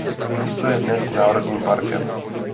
Místo je dnes národním parkem.